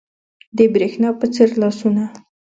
د برېښنا په څیر لاسونه